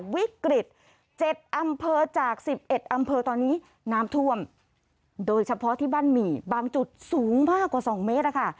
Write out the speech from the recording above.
วิกฤต๗อำเภอจาก๑๑อำเภอตอนนี้น้ำท่วมโดยเฉพาะที่บ้านหมี่บางจุดสูงมากกว่า๒เมตรนะคะ